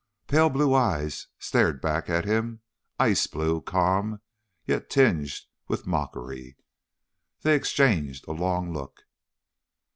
Pale blue eyes stared back at him. Ice blue, calm, yet tinged with mockery. They exchanged a long look.